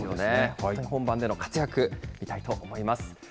本当に本番での活躍、見たいと思います。